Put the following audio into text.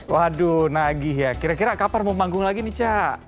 waduh nagih ya kira kira kabar mau panggung lagi nih caca